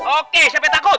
oke siapa yang takut